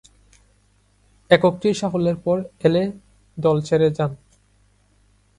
এককটির সাফল্যের পর, এলে দল ছেড়ে চলে যান।